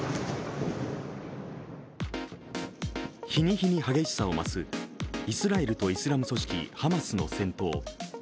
日に日に激しさを増すイスラエルとイスラム組織ハマスの戦闘。